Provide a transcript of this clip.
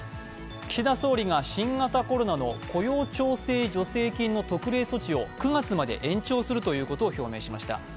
岸田総理が新型コロナの雇用調整助成金の特例措置を９月まで延長するということを表明しました。